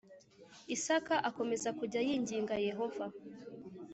Isaka akomeza kujya yinginga Yehova